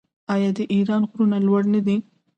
آیا د ایران غرونه لوړ نه دي؟